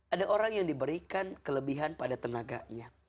ada orang yang diberikan kelebihan pada tenaganya